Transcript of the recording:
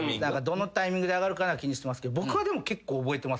どのタイミングで上がるか気にしてますけど僕はでも結構覚えてますね。